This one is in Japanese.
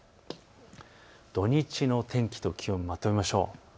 土日の天気と気温をまとめましょう。